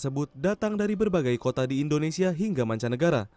tersebut datang dari berbagai kota di indonesia hingga mancanegara